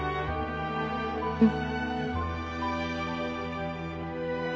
うん。